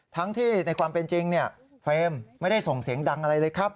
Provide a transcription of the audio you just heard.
ทั้งที่ในความเป็นจริงเฟรมไม่ได้ส่งเสียงดังอะไรเลยครับ